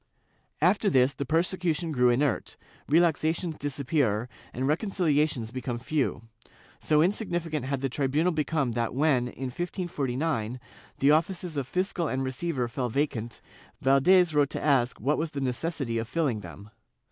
^ After this, persecution grew inert, relaxations disappear and reconciliations become few. So insignificant had the tribunal become that when, in 1549, the offices of fiscal and receiver fell vacant, Valdes wrote to ask what was the necessity of filling them.